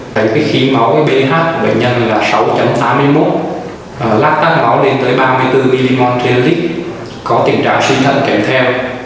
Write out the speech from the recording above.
đấy khí máu ph của bệnh nhân là sáu tám mươi một lắc tắc máu lên tới ba mươi bốn mg có tình trạng sinh thần kèm theo